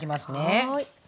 はい。